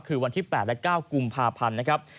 คือวันที่๘และ๙กุมภาพันธ์นะครับ